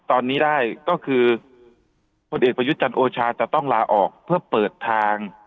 ตอนนี้ได้ก็คือพลเอกประยุทธ์จันทร์โอชาจะต้องลาออกเพื่อเปิดทาง